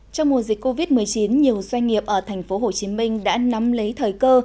trong mùa dịch covid một mươi chín nhiều doanh nghiệp ở thành phố hồ chí minh đã nắm lấy thời cơ